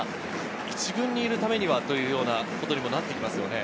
１軍にいるためにはということにもなってきますね。